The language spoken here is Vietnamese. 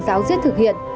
giáo diết thực hiện